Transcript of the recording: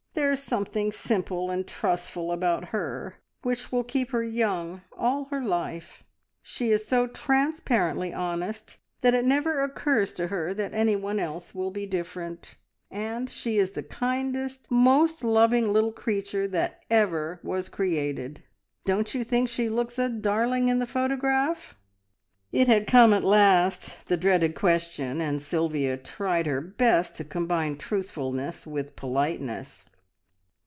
"There is something simple and trustful about her which will keep her young all her life. She is so transparently honest, that it never occurs to her that anyone else can be different; and she is the kindest, most loving little creature that was ever created. Don't you think she looks a darling in the photograph?" It had come at last, the dreaded question, and Sylvia tried her best to combine truthfulness with politeness.